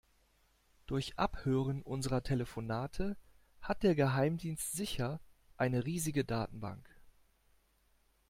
Durch Abhören unserer Telefonate hat der Geheimdienst sicher eine riesige Datenbank.